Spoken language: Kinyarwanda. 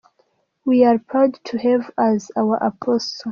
we are proud to have as our Apostle.